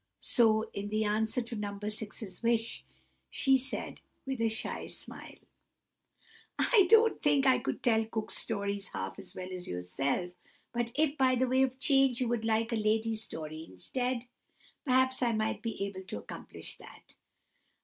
So, in answer to No. 6's wish, she said, with a shy smile:— "I don't think I could tell Cook Stories half as well as yourself. But if, by way of a change, you would like a Lady Story instead, perhaps I might be able to accomplish that."